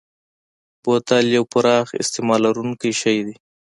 بوتل یو پراخ استعمال لرونکی شی دی.